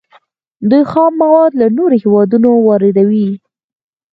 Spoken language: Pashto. دوی خام مواد له نورو هیوادونو واردوي.